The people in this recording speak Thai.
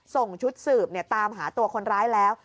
ส่งชุดสืบตามหาตัวคนร้ายแล้ว